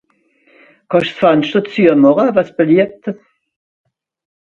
Kann'sch s'Fenschter züemache wann's beliebt?